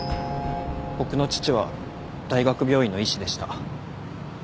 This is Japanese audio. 僕の父は大学病院の医師でした。